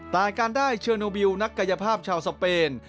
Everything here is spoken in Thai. แต่การได้เชอร์โนบิลนักกายภาพชาวสเปน